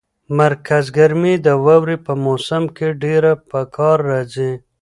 مرکز ګرمي د واورې په موسم کې ډېره په کار راځي.